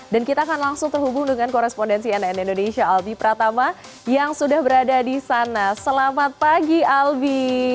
dan kita akan langsung terhubung dengan korespondensi nn indonesia albi pratama yang sudah berada di sana selamat pagi albi